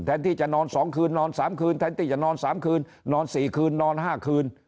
ที่จะนอน๒คืนนอน๓คืนแทนที่จะนอน๓คืนนอน๔คืนนอน๕คืน